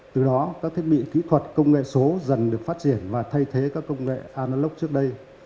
từ đó các thiết bị kỹ thuật công nghệ số dần được phát triển và thay thế các công nghệ analog trước đây